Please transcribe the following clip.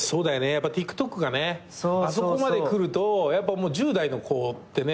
やっぱＴｉｋＴｏｋがねあそこまでくるとやっぱもう１０代の子ってね